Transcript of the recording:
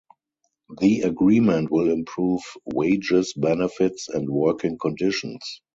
The agreement will improve wages, benefits and working conditions.